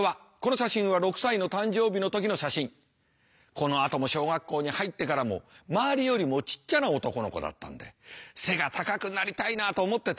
このあとも小学校に入ってからも周りよりもちっちゃな男の子だったんで背が高くなりたいなと思ってた。